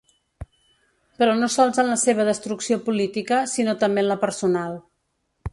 Però no sols en la seva destrucció política, sinó també en la personal.